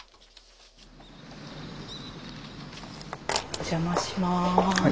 お邪魔します。